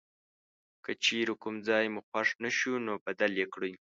که چیرې کوم ځای مو خوښ نه شو نو بدل یې کړئ.